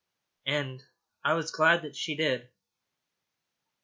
And I was very glad that she did.